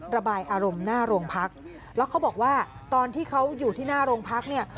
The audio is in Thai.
ระบายอารมณ์หน้าโรงพักแล้วเขาบอกว่าตอนที่เขาอยู่ที่หน้าโรงพักเนี่ย